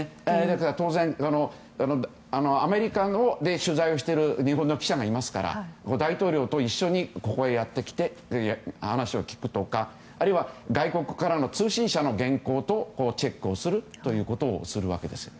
当然アメリカで取材をしている日本の記者がいますから大統領と一緒にここにやってきて話を聞くとかあるいは外国からの通信社の原稿をチェックをするということをするわけです。